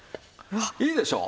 いいでしょう？